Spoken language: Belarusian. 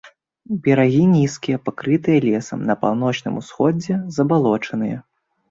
Берагі нізкія, пакрытыя лесам, на паўночным усходзе забалочаныя.